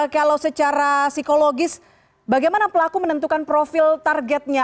kalau secara psikologis bagaimana pelaku menentukan profil targetnya